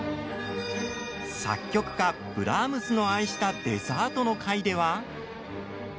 作曲家、ブラムースの愛したデザートの回では。